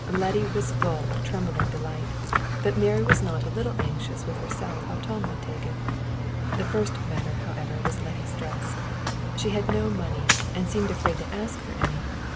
Letty was full of trembling delight, but Mary was not a little anxious with herself how Tom would take it. The first matter, however, was Letty's dress. She had no money, and seemed afraid to ask for any.